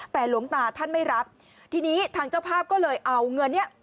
แต่หลวงตาท่านไม่รับทีนี้ทางเจ้าภาพก็เลยเอาเงินเนี้ย